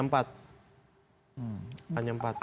namun yang kami terima tiketnya hanya empat